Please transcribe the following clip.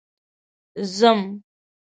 ځم